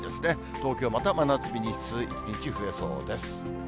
東京、また真夏日日数１日増えそうです。